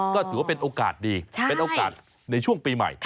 ก็ถือว่าเป็นโอกาสดีเป็นโอกาสในช่วงปีใหม่